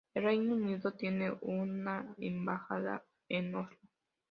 El Reino Unido tiene una embajada en Oslo.